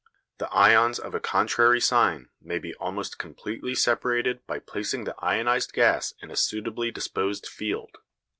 The ions of a contrary sign may be almost completely separated by placing the ionised gas in a suitably disposed field.